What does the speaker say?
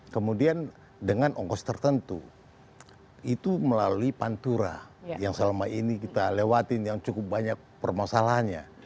kemudian dengan ongkos tertentu itu melalui pantura yang selama ini kita lewatin yang cukup banyak permasalahannya